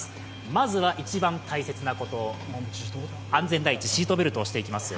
まずは一番大切なこと、安全第一シートベルトをしていきます。